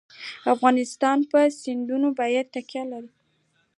افغانستان په سیندونه باندې تکیه لري.